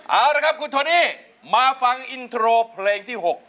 เอาละครับคุณโทนี่มาฟังอินโทรเพลงที่๖